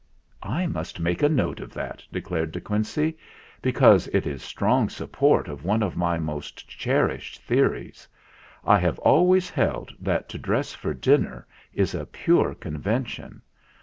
"I must make a note of that," declared De Quincey, "because it is strong support of one of my most cherished theories. I have always held that to dress for dinner is a pure conven tion.